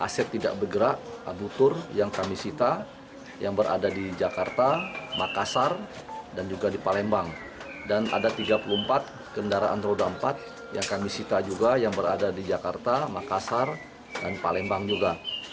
sampai jumpa di video selanjutnya